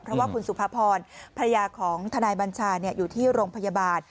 เพราะว่าคุณสุภาพรภรรยาของทนายบัญชาอยู่ที่โรงพยาบาล